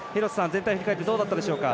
振り返ってどうだったでしょうか。